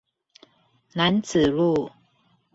楠梓路